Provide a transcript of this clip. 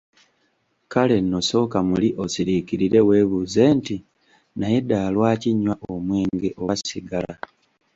Kale nno sooka muli osiriikirire weebuuze nti, "Naye ddala lwaki nywa omwenge oba sigala?